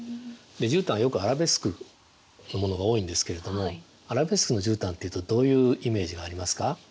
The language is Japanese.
じゅうたんはよくアラベスクのものが多いんですけれどもアラベスクのじゅうたんというとどういうイメージがありますか？